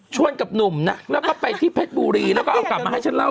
กับหนุ่มนะแล้วก็ไปที่เพชรบุรีแล้วก็เอากลับมาให้ฉันเล่า